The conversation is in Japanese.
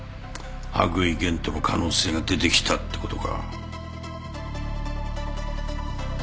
羽喰玄斗の可能性が出てきたってことか。